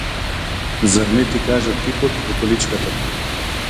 Зар не ти кажа типот во количката?